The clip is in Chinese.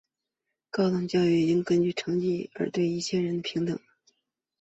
高等教育应根据成绩而对一切人平等开放。